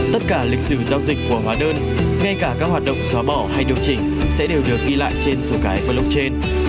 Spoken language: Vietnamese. tất cả lịch sử giao dịch của hóa đơn ngay cả các hoạt động xóa bỏ hay điều chỉnh sẽ đều được ghi lại trên số cái blockchain